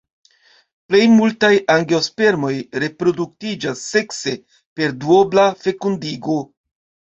Plej multaj angiospermoj reproduktiĝas sekse per duobla fekundigo.